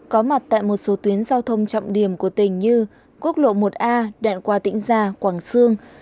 có mặt tại một số tuyến giao thông trọng điểm của tỉnh như quốc lộ một a đoạn qua tỉnh gia quảng sương